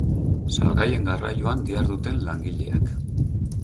Salgaien garraioan diharduten langileak.